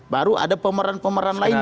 baru ada pemeran pemeran lainnya